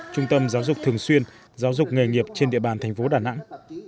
trung tâm giáo dục thường xuyên giáo dục nghề nghiệp trên địa bàn thành phố đà nẵng